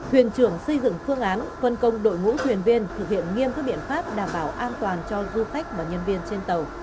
hãy đăng ký kênh để ủng hộ kênh của chúng mình nhé